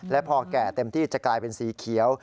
และพอแก่เต็มที่จะกลายเป็นสีเขียว